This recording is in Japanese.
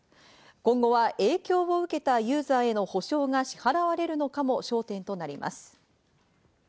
今後は影響を受けたユーザーへの補償が支払われるのかも焦点となります。